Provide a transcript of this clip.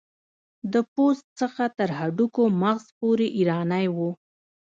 د پوست څخه تر هډوکو مغز پورې ایرانی و.